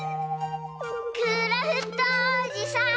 クラフトおじさん！